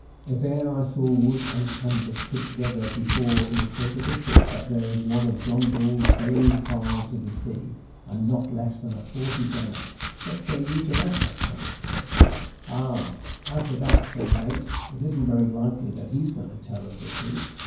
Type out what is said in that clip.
"If e'er I saw wood and canvas put together before in the shape of a ship, that there is one of John Bull's bellowing calves of the ocean, and not less than a forty four gunner." "What say you to that, leftenant?" said the captain. "Oh, as to that," said the mate, "it isn't very likely that he's going to tell us the truth."